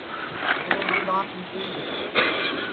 میرے دؔو دؔانٚت نکلی ہے